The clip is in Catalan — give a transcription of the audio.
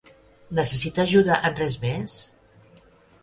Necessita ajuda en res més?